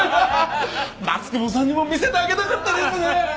松久保さんにも見せてあげたかったですね。